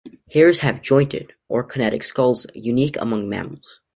Hares have jointed, or kinetic, skulls, unique among mammals.